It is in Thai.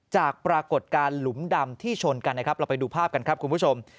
จากปรากฏการณ์หลุมดำที่ชนกันนะครับเราไปดูภาพกันครับคุณผู้ชม